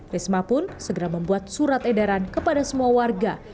risma pun segera membuat surat edaran kepada semua warga